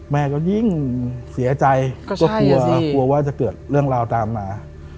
แม่ก็ยิ่งเสียใจก็กลัวกลัวว่าจะเกิดเรื่องราวตามมา